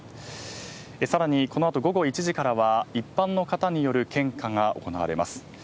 さらに、この後午後１時からは一般の方による献花が行われます。